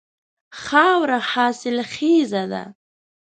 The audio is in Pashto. خاوره حاصل خیزه ده.